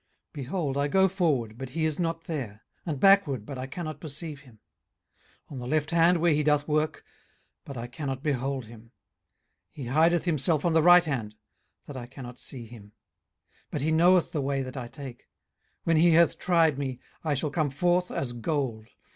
18:023:008 Behold, I go forward, but he is not there; and backward, but I cannot perceive him: 18:023:009 On the left hand, where he doth work, but I cannot behold him: he hideth himself on the right hand, that I cannot see him: 18:023:010 But he knoweth the way that I take: when he hath tried me, I shall come forth as gold.